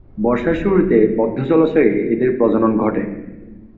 বর্ষার শুরুতে বদ্ধ জলাশয়ে এদের প্রজনন ঘটে।